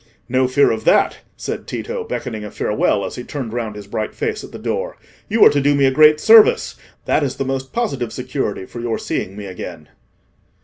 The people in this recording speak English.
"No fear of that," said Tito, beckoning a farewell, as he turned round his bright face at the door. "You are to do me a great service:—that is the most positive security for your seeing me again."